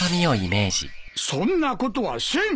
そんなことはせん！